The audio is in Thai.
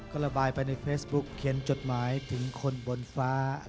ก็ระบายไปในเฟซบุ๊กเขียนจดหมายถึงคนบนฟ้า